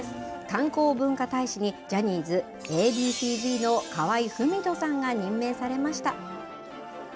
観光文化大使に、ジャニーズ、Ａ．Ｂ．ＣーＺの河合郁人さんが任命されました。